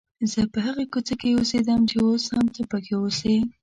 زه په هغې کوڅې کې اوسېدم چې اوس هم ته پکې اوسې.